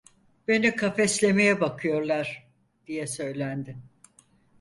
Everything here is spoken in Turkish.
Beni kafeslemeye bakıyorlar! diye söylendi.